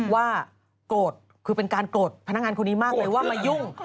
ว่าโกรธคือเป็นการโกรธพนักงานคนนี้มากเลยว่ามายุ่ง